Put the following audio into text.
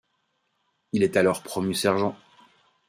Il est alors promu sergent.